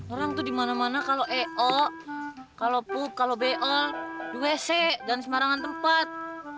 orang tuh di mana mana kalau eo kalau pup kalau bo di wc dan di semarangan tempat